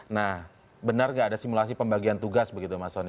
nah benar nggak ada simulasi pembagian tugas begitu mas soni